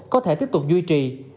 có thể tiếp tục duy trì